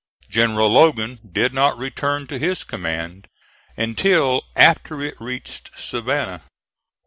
General Logan did not return to his command until after it reached Savannah.